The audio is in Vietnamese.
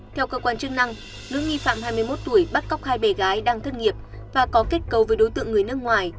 theo cơ quan chức năng nữ nghi phạm hai mươi một tuổi bắt cóc hai bé gái đang thất nghiệp và có kết cấu với đối tượng người nước ngoài